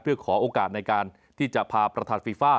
เพื่อขอโอกาสในการที่จะพาประธานฟีฟ่า